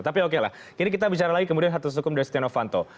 tapi oke lah jadi kita bicara lagi kemudian kasus hukum dari stenovanto